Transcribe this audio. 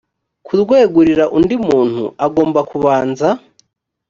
kurwegurira undi muntu agomba kubanza